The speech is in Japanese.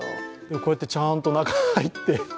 こうやってちゃんと中に入って。